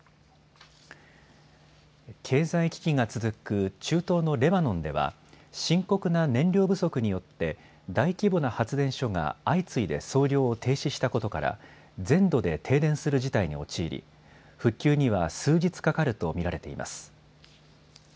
経済危機が続く中東のレバノンでは深刻な燃料不足によって大規模な発電所が相次いで操業を停止したことから全土で停電する事態に陥り復旧には数日かかると見られています。